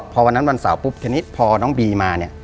พอวันนั้นวันเสาร์พอน้องบีมา